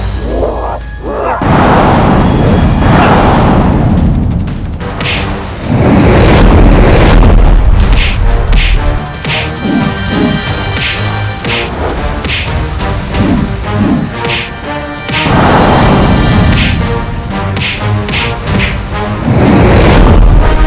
kau akan menjadi seorang yang sempurna